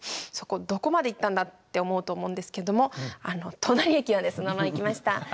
どこまで行ったんだって思うと思うんですけどもあの隣駅までそのまま行きました。